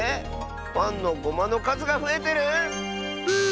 パンのゴマのかずがふえてる⁉ブー！